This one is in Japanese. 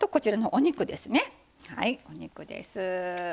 豚肉です。